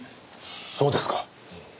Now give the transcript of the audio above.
そうですか。